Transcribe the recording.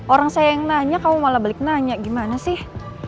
orang saya yang nanya kamu malah balik nanya gimana sih